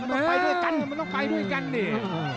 มันต้องไปด้วยกันดิ